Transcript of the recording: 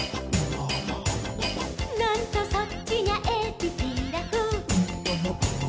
「なんとそっちにゃえびピラフ」